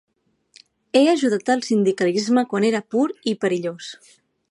He ajudat el sindicalisme quan era pur i perillós.